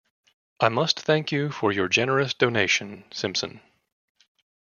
I must thank you for your generous donation, Simpson.